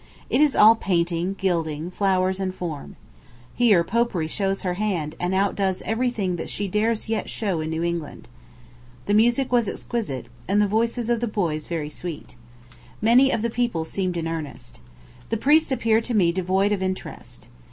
It is all painting, gilding, flowers, and form. Here Popery shows her hand, and outdoes every thing that she dares yet show in New England. The music was exquisite, and the voices of the boys very sweet. Many of the people seemed in earnest. The priests appeared to me devoid of interest.